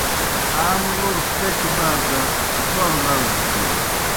آ مُلوس کچیْ بار دہ بڑوْ لڑَز تِھینوْ۔